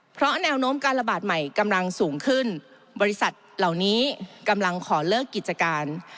เพราะแนวโน้มการระบาดใหม่กำลังสูงขึ้นบริษัทเหล่านี้กำลังขอเลิกกิจการ